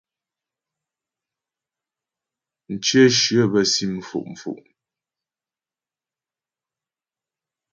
Mcyə shyə bə́ si mfo'fo'.